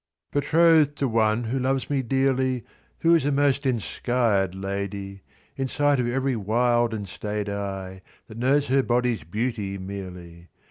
Betrothed to one who loves me dearly, Who is the most enskyed lady In sight of every wild and staid eye. That knows her body's beauty merely.